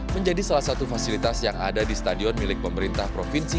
menjadi salah satu fasilitas yang ada di stadion milik pemerintah provinsi